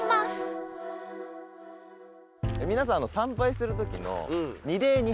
皆さん参拝するときの。